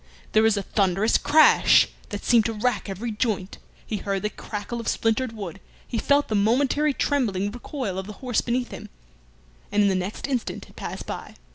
There was a thunderous crash that seemed to rack every joint, he heard the crackle of splintered wood, he felt the momentary trembling recoil of the horse beneath him, and in the next instant had passed by.